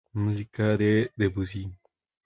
Música de Debussy.